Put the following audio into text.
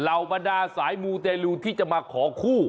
เหล่าบรรดาสายมูเตรียรูที่จะมาขอคู่